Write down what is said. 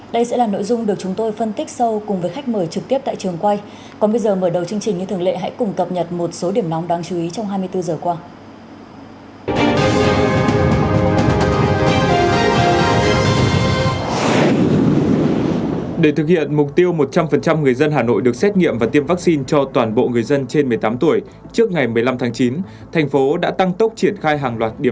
đây sẽ là nội dung được chúng tôi phân tích sâu cùng với khách mời trực tiếp tại trường quay còn bây giờ mở đầu chương trình như thường lệ hãy cùng cập nhật một số điểm nóng đáng chú ý trong hai mươi bốn h qua